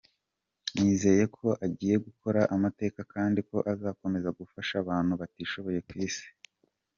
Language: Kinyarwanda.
Nizeye ko agiye gukora amateka kandi ko azakomeza gufasha abantu batishoboye ku Isi.